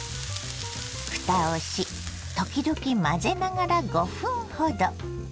ふたをし時々混ぜながら５分ほど。